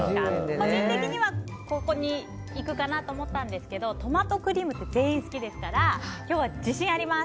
個人的にはポルチーニクリームにいくかなと思ったんですけどトマトクリームって全員好きですから今日は自信あります！